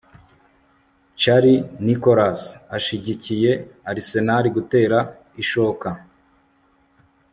Charlie Nicholas ashyigikiye Arsenal gutera ishoka